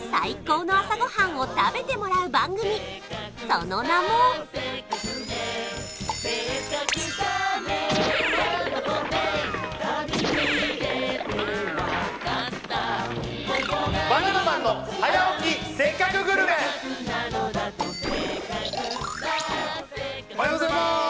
その名もおはようございます！